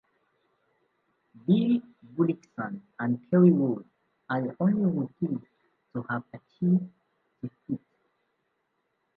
Bill Gullickson and Kerry Wood are the only rookies to have achieved the feat.